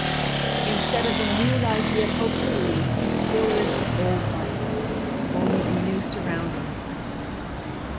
Instead of the new life he had hoped to lead he still lived the old life, only in new surroundings.